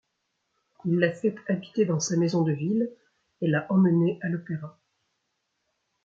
Il la fait habiter dans sa maison de ville et l'a emmenée à l'opéra.